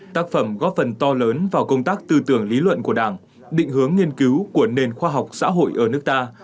tác phẩm góp phần to lớn vào công tác tư tưởng lý luận của đảng định hướng nghiên cứu của nền khoa học xã hội ở nước ta